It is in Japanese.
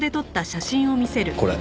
これ。